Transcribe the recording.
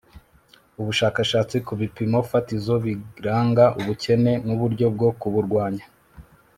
ubushakashatsi ku bipimo fatizo biranga ubukene n'uburyo bwo kuburwanya